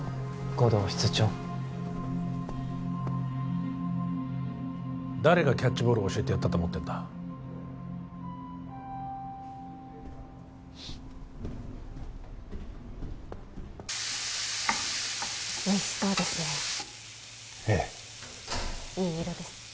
護道室長誰がキャッチボール教えてやったと思ってんだおいしそうですねええいい色です